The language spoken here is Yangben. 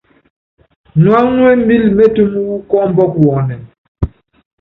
Nuáŋu nú embíli métúm wu kɔ́ɔmbɔk wɔnɛ́m.